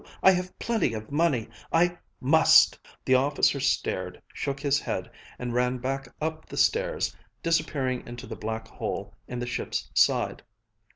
I have plenty of money. I must!" The officer stared, shook his head, and ran back up the stairs, disappearing into the black hole in the ship's side.